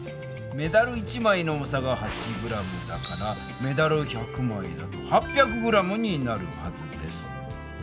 メダル１枚の重さが８ｇだからメダル１００枚だと８００ｇになるはずです。